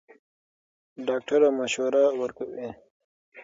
ډاکټره مشوره ورکوي.